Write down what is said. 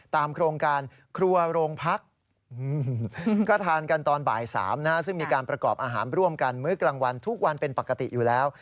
โครงการครัวโรงพักก็ทานกันตอนบ่าย๓ซึ่งมีการประกอบอาหารร่วมกันมื้อกลางวันทุกวันเป็นปกติอยู่แล้ว